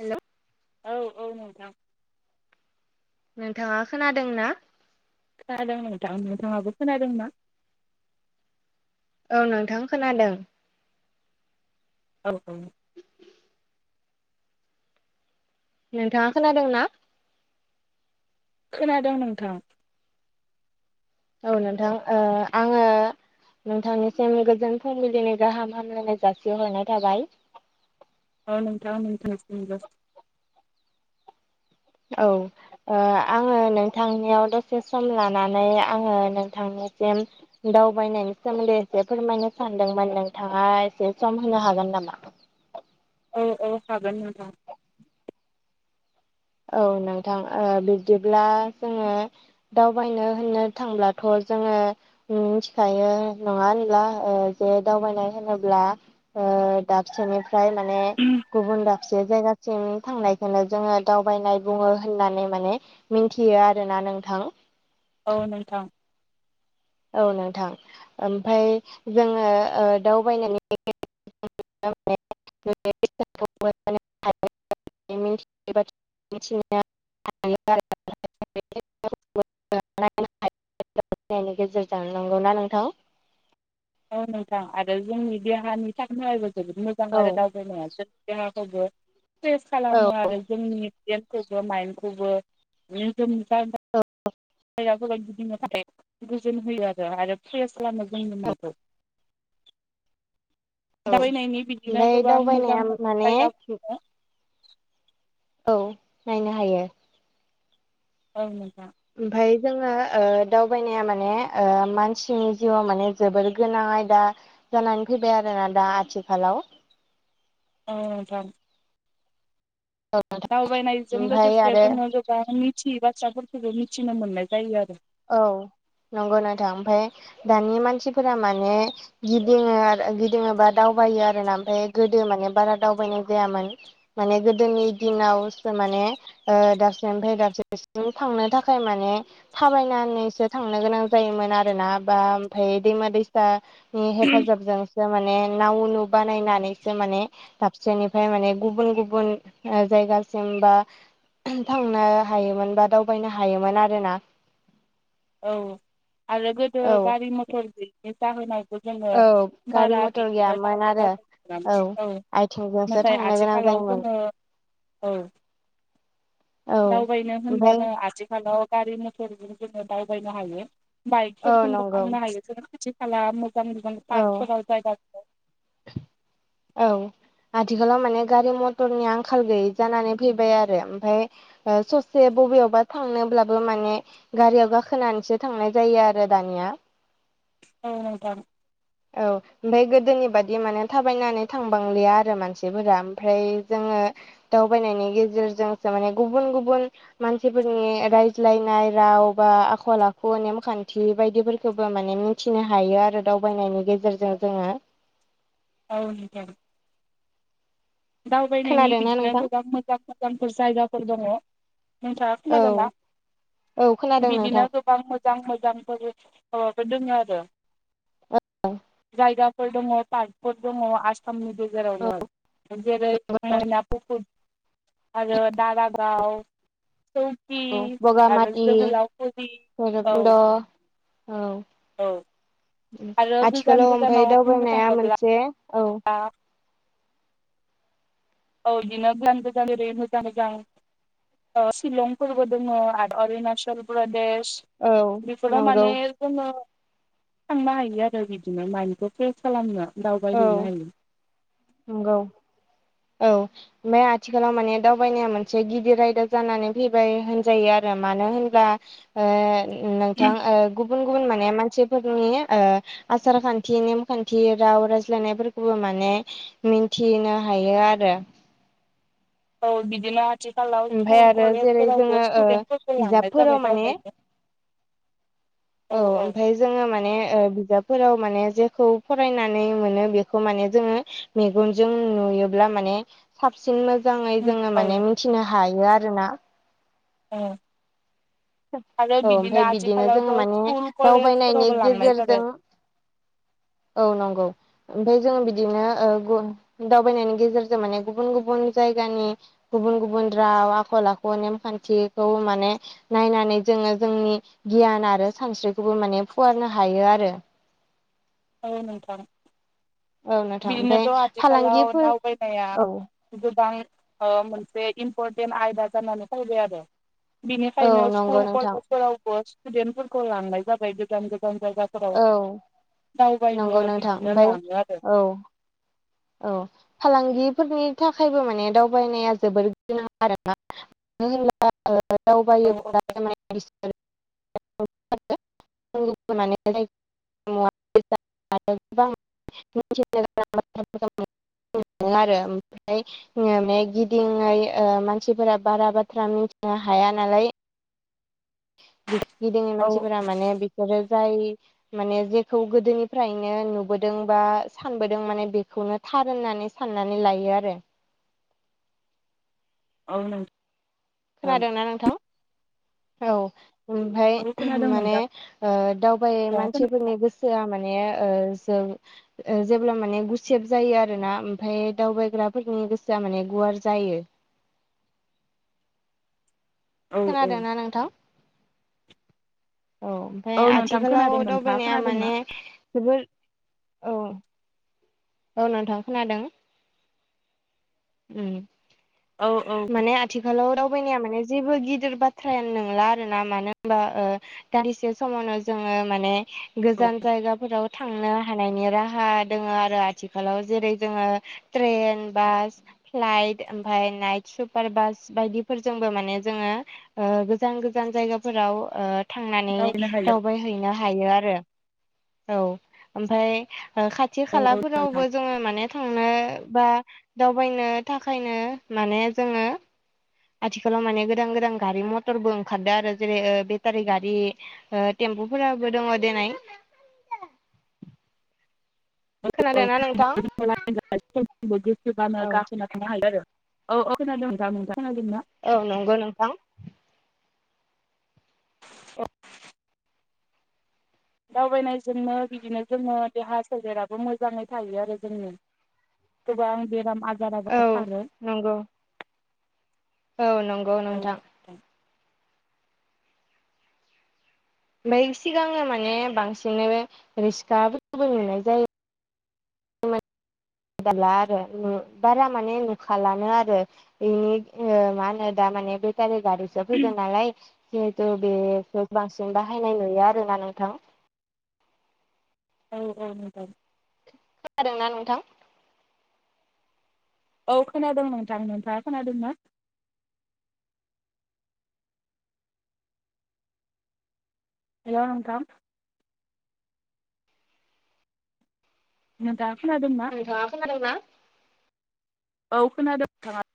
हेल' औ औ नोंथां नोंथाङा खोनादों ना खोनादों नोंथां नोंथाङाबो खोनादों ना औ नोंथां खोनादों औ औ नोंथाङा खोनादों ना खोनादों नोंथां औ नोंथां आङो नोंथांनिसिम गोजोन फुंबिलिनि गाहाम हामलायनाय जासिहरनाय थाबाय अ नोंथां [unintelligible] औ ओ आङो नोंथांनियाव दसे सम लानानै आङो नोंथांनिसिम दावबायनायनि सोमोन्दै एसे फोरमायनो सानदोंमोन नोंथाङा एसे सम होनो हागोन नामा औ औ हागोन नोंथां औ नोंथां ओ बिब्दिब्ला जोङो दावबायनो होननो थांब्लाथ' जोङो मिथिखायो नङा होनब्ला ओ जे दावबायनाय होनोब्ला दा दाबसेनिफ्राय माने गुबुन दाबसे जायगासिम थांनायखौनो जोङो दावबायनाय बुङो होननानै माने मिन्थियो आरोना नोंथां औ नोंथां औ नोंथां ओमफ्राय जोङो ओ दाव बायनानै [unintelligible] मिथि मिथिनाया [unintelligible] गेजेर जानो नांगौना नोंथां औ नोंथां आरो जोंनि देहानि थांनायबो जोबोद मोजां औ आरो दावबायनायासो देहाखौबो फ्रेस औ खालामो आरो जोंनि ब्रेइनखौबो माइन्दखौबो औ औ फिया हबां गिदिंनो थाखाय गोजोन होयो आरो आरो फ्रेस खालामो जोंनि मुंखौ। औ दाबबायनायनि बिदिनो ओमफाय गोबां दावबायनाया मोजां-मोजां माने जायगा। औ नायनो हायो। औ नोंथां। ओमफाय जोङो ओ दावबायनाया माने ओ मानसिनि जिउआव माने जोबोर गोनां आयदा। जानानै फैबाय आरोना दा आथिखालाव। ओ जार। दावबायनायजों ओमफाय लोगोसे आरो जोङो गोबां मिथियै बाथ्राफोरखौबो मिथिनो मोननाय जायो आरो। औ नंगौ नोंथां ओमफाय दानि मानसिफोरा माने। गिदिङो आरो गिदिङोबा दावबायो आरोना ओमफाय गोदो माने बारा दावबायनाय जायामोन। माने गोदोनि दिनावसो माने। ओ दाबसेनिफ्राय दाबसे बेसिम थांनो थाखाय माने। थाबायनानैसो थांनो गोनां जायोमोन आरोना बा ओमफाय दैमा- दैसा। हेफाजाबजोंसो माने नाव उनु बानायनानैसो माने। दाबसेनिफ्राय माने गुबुन- गुबुन ओ जायगासिम बा। थांनो हायोमोन बा दावबायनो हायोमोन आरोना। औ आरो गोदो औ गारि-मथर बिब्दि जाहोनाय। जोङो औ गारि बारा मथर बिदिनो गैयामोन दावगा आरो दावबायोमोन औ। आथिंजोंसो नाथाय थांनो गोनां आथिखालाव जायोमोन जोङो औ। औ दावबायनो ओमफ्राय होनब्लानो आथिखालाव। गारि-मथरजों जोङो दावबायनो हायो औ बाइकफोर जोंबो नंगौ थांनो हायो जों खाथि। खाला मोजां मोजां औ पार्क फोराव जायगा दं। औ। आथिखालाव माने गारि- मतरनि आंखाल गैयि जानानै फैबाय आरो ओमफाय। ओ ससे बबेयावबा थांनोब्लाबो माने। गारियाव गाखोनानैसो थांनाय जायो आरो दानिया। ओ नोंथां। औ। ओमफाय गोदोनि बादि माने थाबायनानै थांबांलिया आरो मानसिफोरा ओमफ्राय जोङो। दावबायनायनि गेजेरजोंसो माने गुबुन-गुबुन। मानसिफोरनि रायज्लायनाय राव बा आखल-आखु, नेमखान्थि बायदिफोरखौबो माने मि। थिनो हायो आरो दावबायनायनि गेजेरजों जोङो। औ नोंथां। दावबायनायनि खोनादोंना बिदिनो नोंथां गोबां मोजां-मोजांफोर जायगाफोर दङ'। नोंथाङा औ खोनादोंना? औ खोनादों नोंथां बिदिनो गोबां मोजां-मोजांफोर माबाफोर दोङ आरो। ओ। जायगाफोर दङ पार्कफोर दङ आसामनि औ गेजेरावनो। जेरै मैना पुखुरि आरो दारागाव। सौकि औ आरो बगामाथि जोहोलावफुरि औ। भैरबकुन्द' औ औ आरो गोजान आथिखालाव ओमफाय गोजानाव बुंनो दावबायनाया थाङोब्ला मोनसे औ। औ इदिनो प्लानगोजालि मोजां- मोजां। शिलंफोरबो दोङ' आरो अरुणाचल प्रदेश। औ बेफोराव नंगौ माने जोङो थांनो हायो आरो बिदिनो मानिखौ प्रेस खालामनो दावबाय औ हैैनो हायो। नंगौ। औ। ओमफाय आथिखालाव माने दावबायनाया मोनसे गिदिर आयदा जानानै फैबाय होनजायो आरो मानो होनब्ला। ओ नोंथां ओ गुबुन-गुबुन माने मानसिफोरनि ओ। आसार-खान्थि, नेमखान्थि, राव रायज्लायनायफोरखौबो माने मिन्थिनो। हायो आरो औ बिदिनो आथिखालाव ओमफ्राय स्कुल आरो जेरै कलेजफोरावबो जोङो ओ स्टुडेन्टफोरखौ लांनाय बिजाबफोराव जाबाय माने दावबायनो। औ ओमफ्राय जोङो माने ओ बिजाबफोराव माने जेखौ फरायनानै मोनो बेखौ माने जोङो मेगनजों नुयोब्ला माने साबसिन मोजाङै जोङो माने औ मिथिनो हायो आरोना। औ आरो औ बिदिनो ओमफ्राय जोङो आथिखालावथ' माने स्कुल दावबायनायनि कलेजफोरावबो लांनाय गेजेरजों जाबाय। औ नंगौ। ओमफ्राय जों बिदिनो दावबायनायनि गेजेरजों माने गुबुन- गुबुन जायगानि गुबुन -गुबुन राव आखल आखु नेमखान्थिखौ माने नायनानै जोङो जोंनि गियान आरो सानस्रिखौबो माने फुवारनो हायो आरो। औ नोंथां। औ नोंथां ओमफ्राय बिदिनोथ' आथिखालाव फालांगिफोर दावबायनाया औ गोबां मोनसे इम्परटेन्ट आयदा जानानै फैबाय आरो। औ बिनिखायनो नंगौ स्कुल नोंथां कलेजफोरावबो स्टुडेन्टफोरखौ लांनाय जाबाय गोदान- गोदान जायगा फोराव औ दावबायनो नंगौ नोंथां बिदिनो ओमफ्राय लाङो आरो। औ औ फालांगिफोरनि थाखायबो माने दावबायनाया जोबोर गोनां आरोना। होनब्ला औ दावबायो [unintelligible] [unintelligible] [unintelligible] मोनो आरो ओमफ्राय [unintelligible] माने गिदिङै ओ मानसिफोरा बारा बाथ्रा मिथिनो हाया नालाय गिदिंनि औ मानसिफोरा माने ज जाय माने जेखौ गोदोनिफ्रायनो नुबोदों बा सानबोदों माने बे बेखौनो थार होननानै साननानै लायो आरो। औ नोंथां खोनादोंना नोंथां औ? ओमफाय औ खोनादों माने नोंथां ओ दावबायै औ मानसिफोरनि गोसो ज माने जों जेब्ला माने गुसेब जायो आरोना ओमफाय दावबायग्राफोरनि गोसोआ माने गुवार जायो। औ औ खोनादोंना नोंथां? औ। ओमफ्राय औ नोंथां आथिखालाव खोनादों नोंथाङा दावबायनाया खोनादोंना माने जोबोर औ, औ नोंथाङ खोनादों उम औ, औ माने आथिखालाव दावबायनाया माने जेबो गिदिर बाथ्रायानो नंला आरो। ना मानो होनबा दानदिसे समावनो जोङो माने औ गोजान जायगाफोराव थांनो हानायनि राहा दोङ आरो। आथिखालाव जेरै जोङो ट्रेन, बास फ्लाइट ओमफफ्राय नाइट सुपार बास बायदिफोरजोंबो माने जोङो ओ गोजान -गोजान जायगाफोराव थांनानै दावबायनो हायो दावबाय हैनो हायो आरो। औ ओमफाय खाथि औ औ खालाफोर नोंथां जोङो माने थांनो बा दावबायनो थाखायनो माने जोङो आथिखालाव माने गोदान- गोदान गारि मथरबो ओंखारदों आरो। जेरै बेटारि गारि ओ टेम्पुफोराबो दङ दनै [unintelligible] खोनादोंना नोंथां? मा हाल आरो औ औ खोनादों नोंथां नोंथां खोनादों ना [unintelligible] औ नंगौ नोंथां। अ [unintelligible] दावबायनायजोंनो बिदिनो जोङो देहा सोलेराबो मोजाङै थायो आरो जोंनि गोबां बेराम औ आजाराबो खारो नंगौ औ नंगौ नोंथां [inaudible] ओमफ्राय सिगाङो माने बांसिननो रिस्कफोरखौबो नुनाय जायो आरो बारा माने नुखाालानो आरो बिनि मा होनो दा माने बे स गारि गारिसो फैदों नालाय जिहेथु बेखौ बांसिन बाहायनाय नुयो आरो ना नोंथां औ औ मोजां खोनादों ना नोंथां औ खोनादों नोंथां नोंथाङा खोनादोंना हेलौ' नोंथां नों गाखोना दङमोन खोनादोंना औ खोनादों नोंथाङा